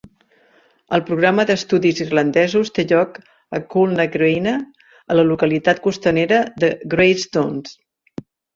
El programa d'estudis irlandesos té lloc a Coolnagreina a la localitat costanera de Greystones.